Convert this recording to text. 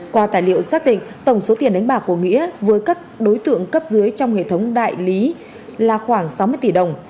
qua tài liệu xác định tổng số tiền đánh bạc của nghĩa với các đối tượng cấp dưới trong hệ thống đại lý là khoảng sáu mươi tỷ đồng